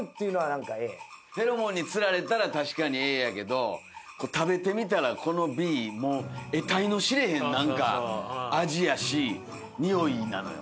フェロモンに釣られたら確かにＡやけど食べてみたらこのＢもえたいの知れへん味やし臭いなのよ。